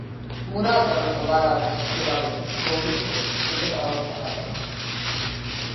Мораа да разговараат за некои работи, да одлучат што ќе прават понатаму.